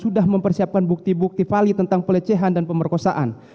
sudah mempersiapkan bukti bukti vali tentang pelecehan dan pemerkosaan